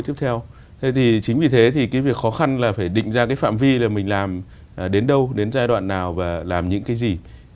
thế thì chính vì thế thì cái việc khó khăn là phải định ra cái phạm vi là mình làm đến đâu đến giai đoạn nào và làm những cái gì